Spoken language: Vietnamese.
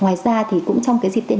ngoài ra thì cũng trong cái dịp tết